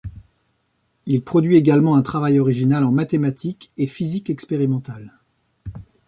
Il produit également un travail original en mathématiques et physique expérimentale.